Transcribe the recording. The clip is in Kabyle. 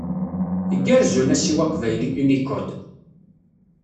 Igerrez unasiw aqbayli Unicode.